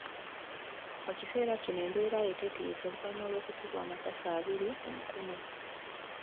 Mu kiseera kino embeera ye tetiisa oluvannyuma lw’okukubwa amasasi abiri mu mukono.